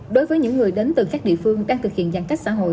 đối với những người đến từ các địa phương đang thực hiện giãn cách xã hội